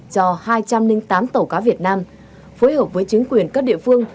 cho hai trăm linh tám tàu cá việt nam phối hợp với chính quyền các địa phương